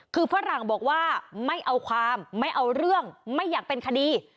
คือฝรั่งบอกว่าไม่เอาความไม่เอาเรื่องไม่อยากเป็นคดี